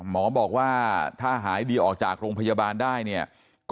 หมอบอกว่าถ้าหายดีออกจากโรงพยาบาลได้เนี่ย